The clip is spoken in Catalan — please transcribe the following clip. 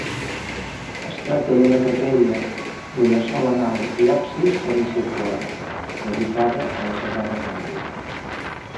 Es tracta d'una Capella d'una sola nau i absis semicircular, dedicada a la Sagrada Família.